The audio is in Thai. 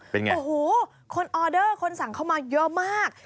เป็นไงโอ้โหคนออเดอร์คนสั่งเข้ามาเยอะมาก